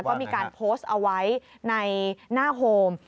ก็มีการโพสต์เอาไว้ในหน้าโฮม